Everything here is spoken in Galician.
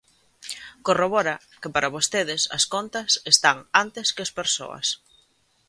Corrobora que para vostedes as contas están antes que as persoas.